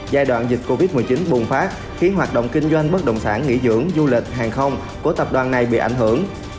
giai đoạn dịch covid một mươi chín bùng phát khiến hoạt động kinh doanh bất động sản nghỉ dưỡng du lịch hàng không của tập đoàn này bị ảnh hưởng